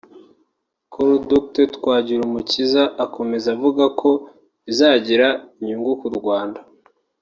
Col Dr Twagirumukiza akomeza avuga ko bizagira inyungu ku Rwanda